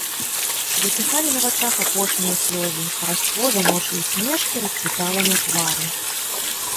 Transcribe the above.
Высыхалі на вачах апошнія слёзы, хараство жаночай усмешкі расцвітала на твары.